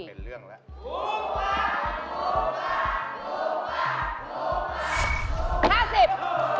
เป็นเรื่องแล้ว